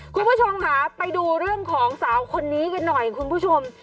คุณผู้ชมค่ะไปดูเรื่องของสาวคนนี้กันหน่อยคุณผู้ชม